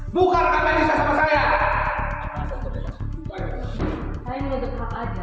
buka rekam medisnya sama saya